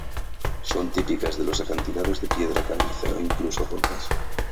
Son típicas de los acantilados de piedra caliza o incluso rocas.